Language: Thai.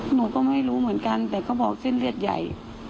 หนูก็ไม่รู้เหมือนกันแต่เขาบอกเส้นเลือดใหญ่